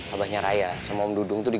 abahnya raya sama om dudung tuh